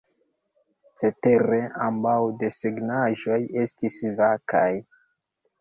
Cetere ambaŭ desegnaĵoj estis vakaj.